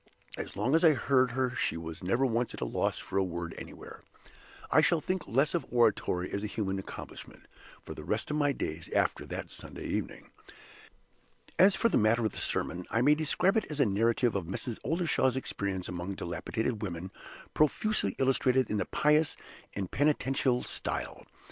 As long as I heard her she was never once at a loss for a word anywhere. I shall think less of oratory as a human accomplishment, for the rest of my days, after that Sunday evening. As for the matter of the sermon, I may describe it as a narrative of Mrs. Oldershaw's experience among dilapidated women, profusely illustrated in the pious and penitential style.